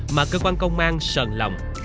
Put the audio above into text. mà cơ quan công an sờn lòng